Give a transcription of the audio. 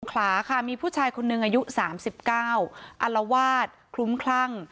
ขาค่ะมีผู้ชายคนหนึ่งอายุสามสิบเก้าอลวาดคลุ้มคลั่ง